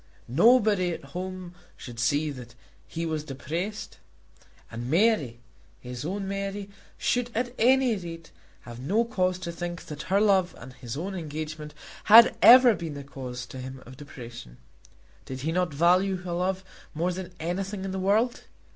Nobody at home should see that he was depressed. And Mary, his own Mary, should at any rate have no cause to think that her love and his own engagement had ever been the cause to him of depression. Did he not value her love more than anything in the world?